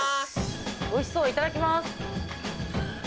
おいしそういただきます。